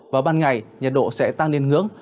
và ban ngày nhiệt độ sẽ tăng lên hướng